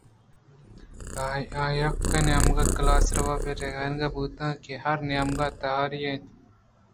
آ یک نیمگے ءَ کلاس روم ءَ رہادگ بوت اَنت کہ ہر نیمگءَ تہاری اَت